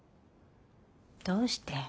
どうして？